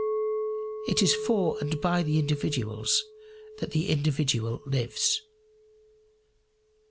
It is for and by the individuals that the individual lives.